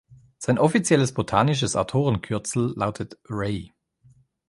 Sein offizielles botanisches Autorenkürzel lautet „Ray“.